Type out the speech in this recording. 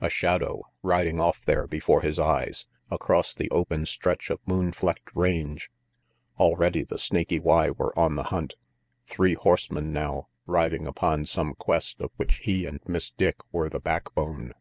A shadow riding off there before his eyes, across the open stretch of moon flecked range! Already the Snaky Y were on the hunt. Three horsemen now, riding upon some quest of which he and Miss Dick were the backbone!